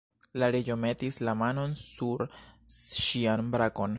La Reĝo metis la manon sur ŝian brakon.